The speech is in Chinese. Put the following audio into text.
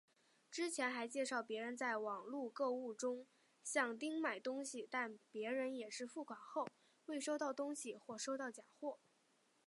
之前还介绍别人在网路购物中向丁买东西但别人也是付款后未收到东西或收到假货。